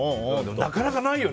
なかなかないよね。